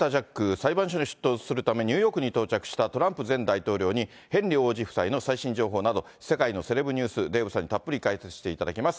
裁判所に出廷するためニューヨークに到着したトランプ前大統領に、ヘンリー王子夫妻の最新情報など、世界のセレブニュース、デーブさんにたっぷり解説していただきます。